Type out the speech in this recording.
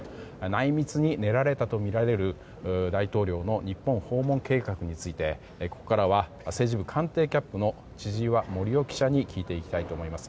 内密に練られたとみられる大統領の日本訪問計画についてここからは政治部官邸キャップの千々岩森生記者に聞いていきたいと思います。